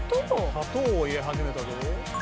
「砂糖を入れ始めたぞ」